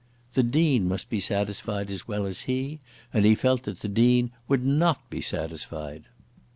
The Dean must be satisfied as well as he, and he felt that the Dean would not be satisfied.